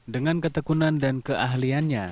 dengan ketekunan dan keahliannya